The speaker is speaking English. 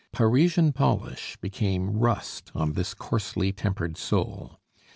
Parisian polish became rust on this coarsely tempered soul.